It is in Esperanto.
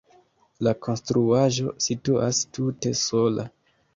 La konstruaĵo situas tute sola.